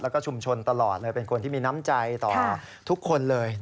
แล้วก็ชุมชนตลอดเลยเป็นคนที่มีน้ำใจต่อทุกคนเลย